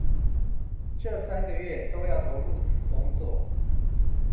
這三個月都要投入此工作